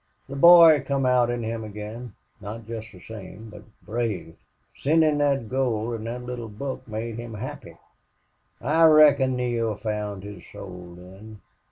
The boy come out in him again, not jest the same, but brave. Sendin' thet gold an' thet little book made him happy.... I reckon Neale found his soul then.